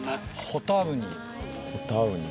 ホタウニ。